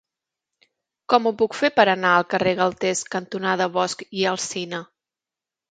Com ho puc fer per anar al carrer Galtés cantonada Bosch i Alsina?